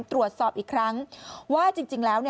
ตรวจสอบอีกครั้งว่าจริงแล้ว